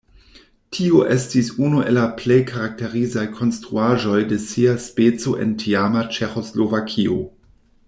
Tio estis unu el la plej karakterizaj konstruaĵoj de sia speco en tiama Ĉeĥoslovakio.